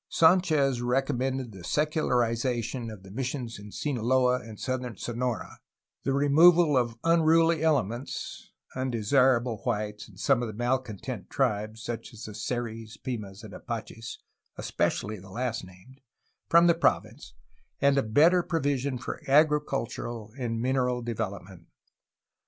Sdnchez recommended the seculariza PROGRESS OF OVERLAND ADVANCE 197 tion' of the missions of Sinaloa and southern Sonora, the removal of unruly elements (undesirable whites and some of the malcontent tribes, such as the Seris, Pimas, and Apaches, especially the last named) from the province, and a better provision for agricultural and mineral development.